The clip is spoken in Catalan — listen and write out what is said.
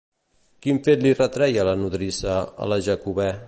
Quin fet li retreia la nodrissa a la Jacobè?